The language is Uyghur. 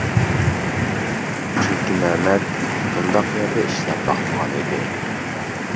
چۈنكى، مەمەت، بۇنداق يەردە ئىشلەپ باقمىغان ئىدى.